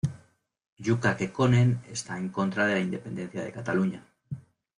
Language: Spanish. Jukka Kekkonen está en contra de la independencia de Cataluña.